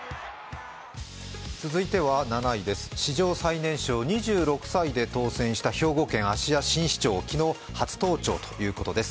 続いては７位、史上最年少２６歳で当選した兵庫県芦屋新市長、昨日、初登庁ということです。